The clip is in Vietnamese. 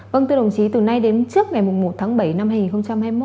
vâng thưa đồng chí từ nay đến trước ngày một tháng bảy năm hai nghìn hai mươi một